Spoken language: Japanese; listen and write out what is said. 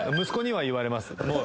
息子には言われます。